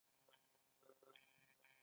تیاره د وېرې کور دی.